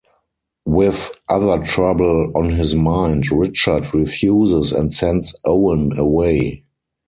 With other trouble on his mind, Richard refuses and sends Owen away.